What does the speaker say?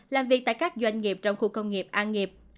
làm việc tại các doanh nghiệp trong khu công nghiệp an nghiệp